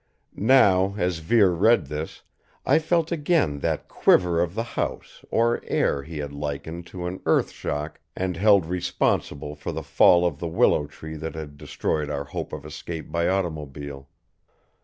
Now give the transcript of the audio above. Now as Vere read this, I felt again that quiver of the house or air he had likened to an earth shock and held responsible for the fall of the willow tree that had destroyed our hope of escape by automobile.